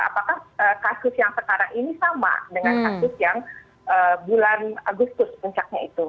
apakah kasus yang sekarang ini sama dengan kasus yang bulan agustus puncaknya itu